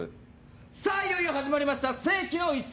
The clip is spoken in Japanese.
さぁいよいよ始まりました世紀の一戦。